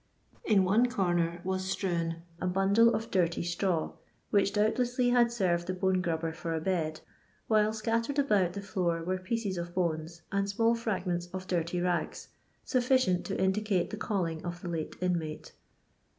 In one comer was strewn a bundle of dirty straw, which doubtlessly had served the bone grubber for a bed, while scattered about the floor were pieces of bones, and small fragments of dirty rags, sufiicicnt to indicate the calling of the late inmate.